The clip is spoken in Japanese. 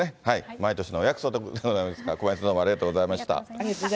毎年のお約束でございますが、駒井さん、どうもありがとうございました。